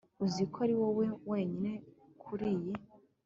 uziko ariwowe wenyine kuriyi